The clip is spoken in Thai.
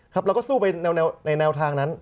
เราก็สู้ไปในแนวทางนั้น